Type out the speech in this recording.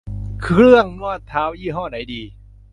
เครื่องนวดเท้ายี่ห้อไหนดี